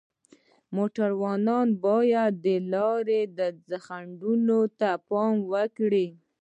موټروان باید د لارې خنډونو ته پام وکړي.